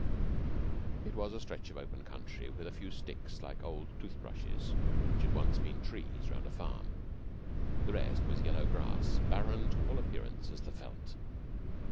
It was a stretch of open country, with a few sticks like old tooth brushes which had once been trees round a farm. The rest was yellow grass, barren to all appearance as the veldt.